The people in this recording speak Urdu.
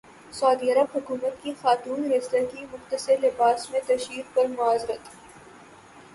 سعودی عرب حکومت کی خاتون ریسلر کی مختصر لباس میں تشہیر پر معذرت